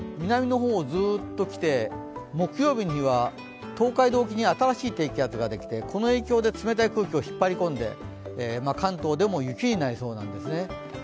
南の方をずっときて木曜日には東海道沖に新しい低気圧ができてこの影響で冷たい空気を引っ張り込んで関東でも雪になりそうなんですね。